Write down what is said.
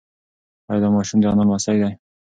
ایا دا ماشوم د انا لمسی دی؟